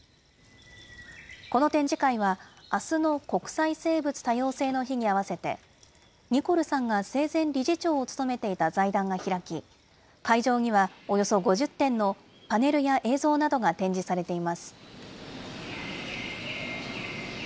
この展示会は、あすの国際生物多様性の日に合わせて、ニコルさんが生前、理事長を務めていた財団が開き、会場にはおよそ５０点のパネルや映像などが展示されています。